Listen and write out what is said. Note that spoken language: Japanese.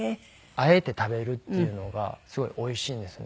あえて食べるっていうのがすごいおいしいんですよね。